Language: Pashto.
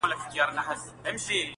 وجود بار لري هر کله په تېرو تېرو ازغیو,